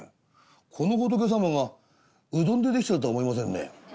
この仏様がうどんで出来てるとは思いませんね」。